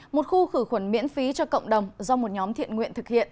một khu khử khuẩn miễn phí cho cộng đồng do một nhóm thiện nguyện thực hiện